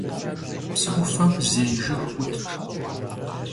Psı 'ufem zêy jjıg 'utt.